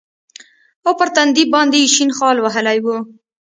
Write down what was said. او پر تندي باندې يې شين خال وهلى و.